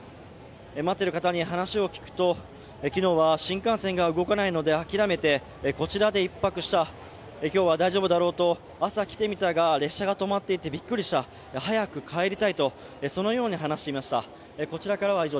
待っている方に話を聞くと、昨日は新幹線が動かないので諦めてこちらで１泊した、今日は大丈夫だろうと朝来てみたが列車が止まっていてびっくりした、早く帰りたいと話していました。